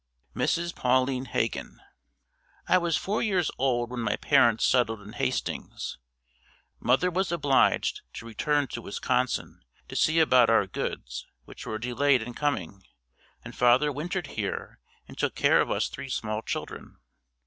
Mrs. Pauline Hagen. I was four years old when my parents settled in Hastings. Mother was obliged to return to Wisconsin to see about our goods which were delayed in coming, and father wintered here and took care of us three small children.